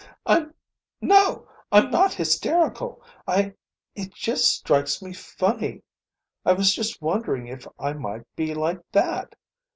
"No, I'm not hysterical. I it just struck me funny. I was just wondering if I might be like that.